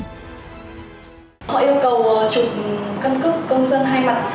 họ yêu cầu chụp căn cước công dân hai mặt